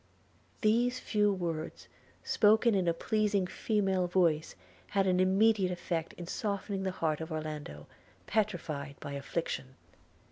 These few words, spoken in a pleasing female voice, had an immediate effect in softening the heart of Orlando, petrified by affliction.